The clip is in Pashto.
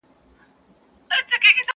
خو هيڅ حل نه پيدا کيږي,